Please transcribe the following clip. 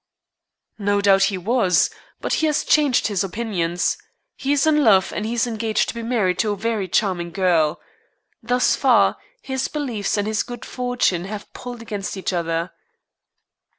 "No doubt he was. But he has changed his opinions. He is in love, and is engaged to be married to a very charming girl. Thus far, his beliefs and his good fortune have pulled against each other."